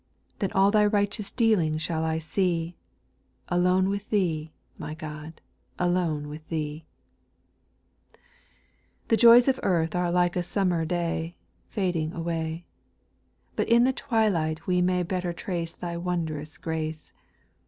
Then all Thy righteous dealing shall I see, Alone with Thee, my God ! alone with Thee I 2. The joys of earth are like a summer day, Fading away ; But in the twilight we may better trace Thy wondrous grace.